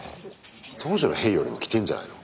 当時の兵よりも着てんじゃないの？